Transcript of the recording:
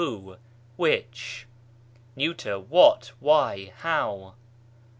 who? which? 2., what? why ? how ?